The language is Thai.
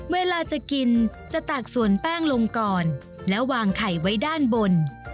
เวลาจะกินจะตากส่วนแป้งลงก่อนแล้ววางไข่ไว้ด้านบน